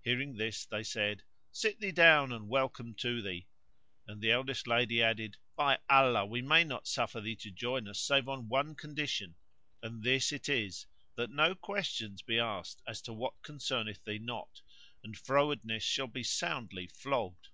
Hearing this they said, "Sit thee down and welcome to thee," and the eldest lady added, "By Allah, we may not suffer thee to join us save on one condition, and this it is, that no questions be asked as to what concerneth thee not, and frowardness shall be soundly flogged."